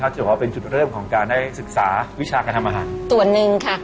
ฉะนั้นเสร็จเราเป็นจุดเริ่มของการได้ศึกษาวิชาการทำอาหาร